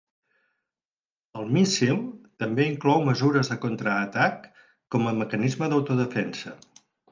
El míssil també inclou mesures de contraatac com a mecanisme d'autodefensa.